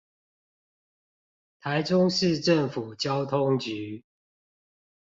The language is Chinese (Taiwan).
臺中市政府交通局